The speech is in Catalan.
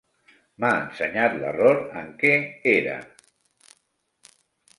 M'ha ensenyat l'error en què era.